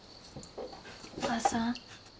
お母さん。